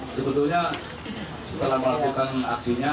sebetulnya setelah melakukan aksinya